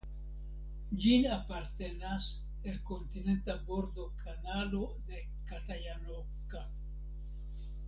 Ĝin apartenas el kontinenta bordo Kanalo de Katajanokka.